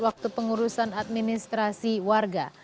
waktu pengurusan administrasi warga